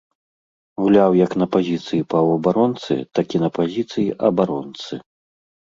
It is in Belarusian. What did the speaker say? Гуляў як на пазіцыі паўабаронцы, так і на пазіцыі абаронцы.